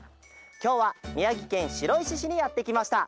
きょうはみやぎけんしろいししにやってきました。